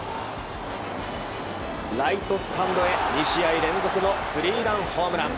ライトスタンドへ２試合連続のスリーランホームラン。